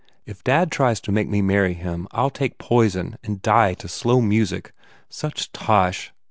If dad tries to make me marry him I ll take poison and die to slow music. Such tosh!